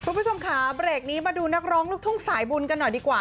คุณผู้ชมค่ะเบรกนี้มาดูนักร้องลูกทุ่งสายบุญกันหน่อยดีกว่า